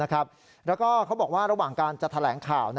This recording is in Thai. แล้วก็เขาบอกว่าระหว่างการจะแถลงข่าว